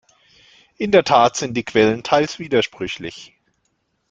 In der Tat sind die Quellen teils widersprüchlich.